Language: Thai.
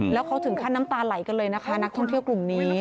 แล้วเขาถึงขั้นน้ำตาไหลกันเลยนะคะนักท่องเที่ยวกลุ่มนี้